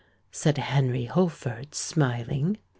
said Henry Holford, smiling.